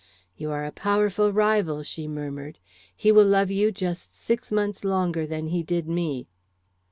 "You are a powerful rival," she murmured. "He will love you just six months longer than he did me."